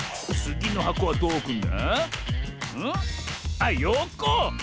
あっよこ！